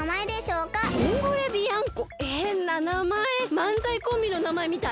まんざいコンビの名前みたい。